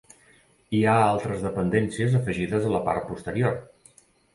Hi ha altres dependències afegides a la part posterior.